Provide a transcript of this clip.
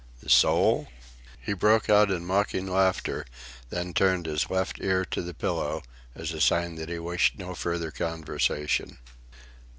The soul?" He broke out in mocking laughter, then turned his left ear to the pillow as a sign that he wished no further conversation.